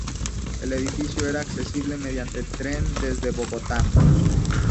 El edificio era accesible mediante tren desde Bogotá.